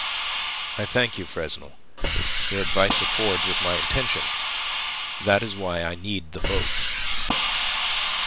"I thank you, Fresnel. Your advice accords with my intention. That is why I need the boat."